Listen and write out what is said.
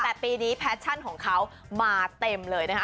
แต่ปีนี้แพชชั่นของเขามาเต็มเลยนะคะ